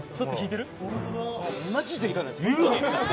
マジでいらないです。